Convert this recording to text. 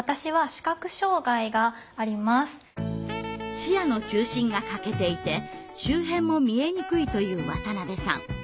視野の中心が欠けていて周辺も見えにくいという渡辺さん。